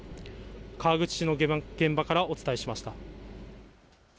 川口市の現場からお伝えしました。